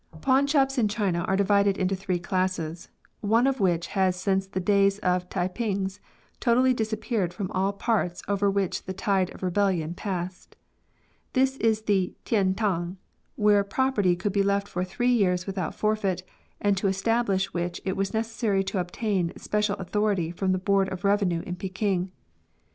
PAWNBROKERS. 55 Pawnshops in China are divided into three classes, one of which has since the days of the Tai p mgs totally disappeared from all parts over which the tide of rebellion passed. This is the tien tang, where pro perty could be left for three years without forfeit, and to establish which it was necessary to obtain special authority from the Board of Eevenue in Peking.